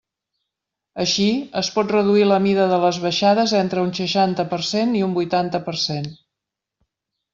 Així, es pot reduir la mida de les baixades entre un seixanta per cent i un vuitanta per cent.